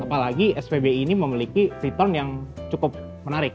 apalagi spbi ini memiliki return yang cukup menarik